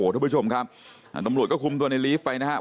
ทุกผู้ชมครับตำรวจก็คุมตัวในลีฟไปนะครับ